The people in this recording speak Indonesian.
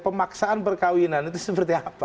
pemaksaan perkawinan itu seperti apa